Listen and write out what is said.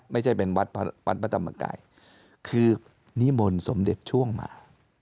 ไม่ใช่เป็นวัดพระธรรมกายคือนิมนต์สมเด็จช่วงมา